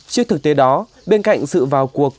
trước thực tế đó bên cạnh sự vào cuộc